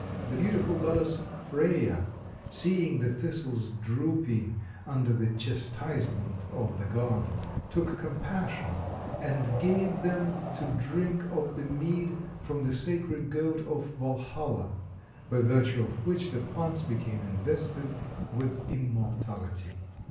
The beautiful goddess Freya, seeing the Thistles drooping under the chastisement of the god, took compassion and gave them to drink of the mead from the sacred goat of Valhalla, by virtue of which the plants became invested with immortality.